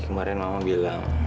kemarin mama bilang